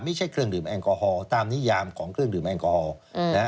ไม่ใช่เครื่องดื่มแอลกอฮอลตามนิยามของเครื่องดื่มแอลกอฮอล์นะฮะ